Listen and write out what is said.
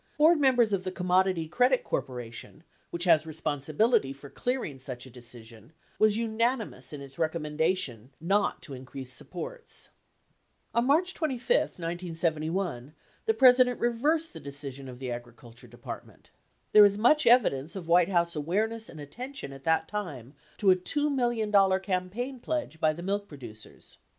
81 Board members of the Commodity Credit Corporation, which has responsibility for clearing such a decision, was unanimous in its recommendation not to increase supports. 82 On March 25, 1971, the President reversed the decision of the Agri culture Department. There is much evidence of White House aware ness and attention at that time to a $2 million campaign pledge by the milk producers.